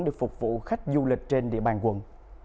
để phục vụ khách du lịch trên địa bàn quận